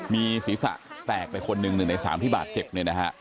มีศีรษะแตกไปคนหนึ่ง๑ใน๓ที่บาดเจ็บเนี่ยนะฮะ